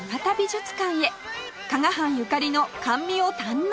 加賀藩ゆかりの甘味を堪能